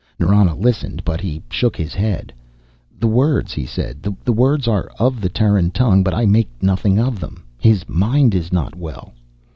Nrana listened, but he shook his head. "The words," he said, "the words are of the Terran tongue, but I make nothing of them. His mind is not well."